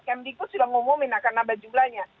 kmdk sudah ngumumin akan nambah jumlahnya